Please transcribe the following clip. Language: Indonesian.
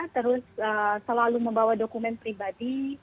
terus selalu membawa dokumen pribadi